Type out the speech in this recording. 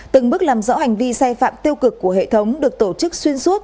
từng bước làm rõ hành vi sai phạm tiêu cực của hệ thống được tổ chức xuyên suốt